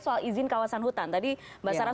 soal izin kawasan hutan tadi mbak sarah